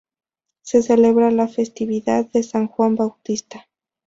Se celebra la festividad de San Juan Bautista.